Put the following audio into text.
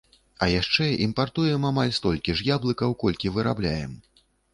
А яшчэ імпартуем амаль столькі ж яблыкаў, колькі вырабляем.